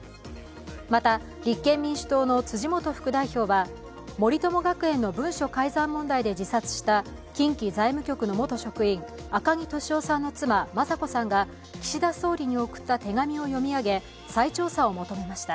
また、立憲民主党の辻元副代表は森友学園の文書改ざん問題で自殺した近畿財務局の元職員赤木俊夫さんの妻、雅子さんが岸田総理に送った手紙を読み上げ、再調査を求めました。